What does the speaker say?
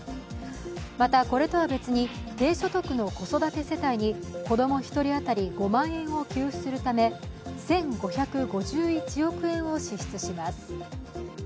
また、これとは別に低所得の子育て世帯に子供１人当たり５万円を給付するため、１５５１億円を支出します。